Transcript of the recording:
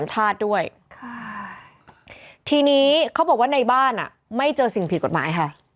ชาติด้วยค่ะทีนี้เขาบอกว่าในบ้านอ่ะไม่เจอสิ่งผิดกฎหมายค่ะ